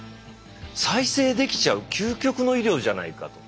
再生できちゃう究極の医療じゃないかと。